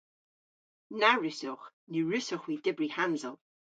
Na wrussowgh. Ny wrussowgh hwi dybri hansel.